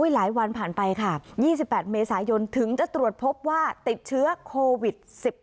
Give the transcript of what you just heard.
หลายวันผ่านไปค่ะ๒๘เมษายนถึงจะตรวจพบว่าติดเชื้อโควิด๑๙